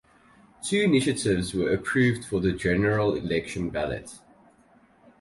Two initiatives were approved for the General Election ballot.